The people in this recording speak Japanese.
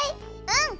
うん！